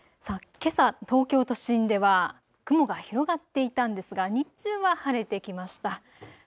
けさ東京都心では雲が広がっていたんですが日中は晴れてきました。